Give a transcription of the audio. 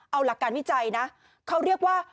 เอาหลักการวิจัยนะเขาเรียกว่า